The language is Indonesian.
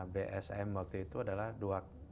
bsm waktu itu adalah dua